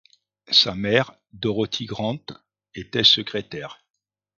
Sa mère, Dorothy Grant, était secrétaire.